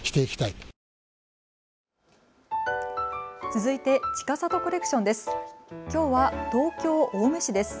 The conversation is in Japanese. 続いて、ちかさとコレクションです。